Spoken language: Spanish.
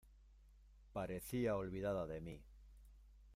parecía olvidada de mí.